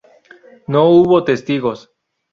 No hubo testigos.